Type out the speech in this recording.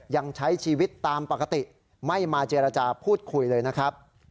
ยังใช้ชีวิตตามปกติไม่มาเจรจาพูดคุยเลยนะครับ